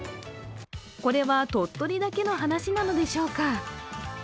これは鳥取だけの話なのでしょうか。